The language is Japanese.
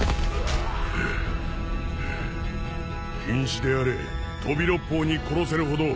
瀕死であれ飛び六胞に殺せるほど